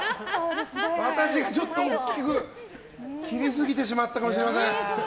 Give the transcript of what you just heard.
私がちょっと大きく切りすぎてしまったかもしれません。